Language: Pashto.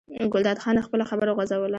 ګلداد خان خپله خبره وغځوله.